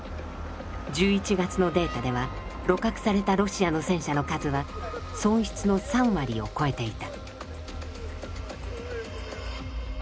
１１月のデータでは鹵獲されたロシアの戦車の数は損失の３割を超えていた。